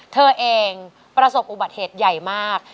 เธอเองประสบอุบัติเหตุใหญ่มาก